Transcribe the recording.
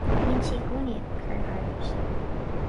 Bíonn sé i gcónaí ag “cur thairis”.